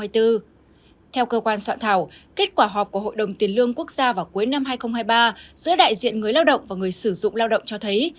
theo cơ quan soạn thảo kết quả họp của hội đồng tiền lương quốc gia vào cuối năm hai nghìn hai mươi ba giữa đại diện người lao động và người sử dụng lao động cho thấy